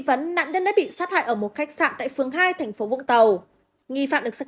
vấn nạn nhân đã bị sát hại ở một khách sạn tại phường hai thành phố vũng tàu nghi phạm được